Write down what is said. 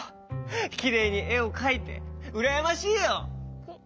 きれいにえをかいてうらやましいよ。